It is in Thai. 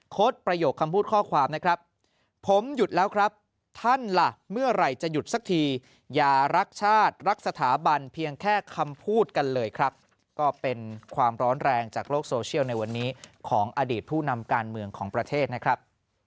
ประโยคคำพูดข้อความนะครับผมหยุดแล้วครับท่านล่ะเมื่อไหร่จะหยุดสักทีอย่ารักชาติรักสถาบันเพียงแค่คำพูดกันเลยครับก็เป็นความร้อนแรงจากโลกโซเชียลในวันนี้ของอดีตผู้นำการเมืองของประเทศนะครับ